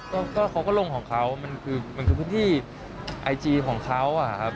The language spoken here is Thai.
ก็เขาก็ลงของเขามันคือพื้นที่ไอจีของเขา